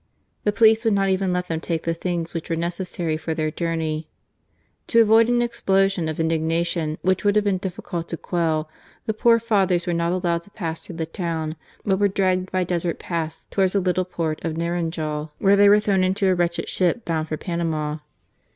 The police would not even let them take the things which were necessary for their journey. To avoid an explosion of indigna tion which would have been difficult to quell, the poor Fathers were not allowed to pass through the town, but were dragged by desert paths towards the little port of Naranjal, where they were thrown into a wretched ship bound for Panama.